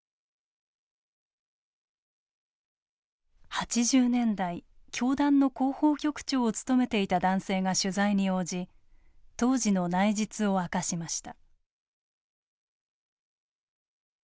８０年代教団の広報局長を務めていた男性が取材に応じ当時の内実を明かしました。